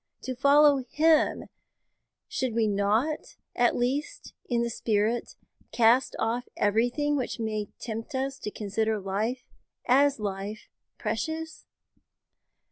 To follow Him, should we not, at least in the spirit, cast off everything which may tempt us to consider life, as life, precious?'